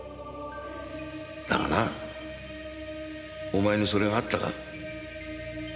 だがなお前にそれがあったか？